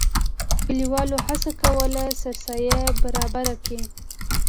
کلیوالو هڅه کوله سرسایه برابره کړي.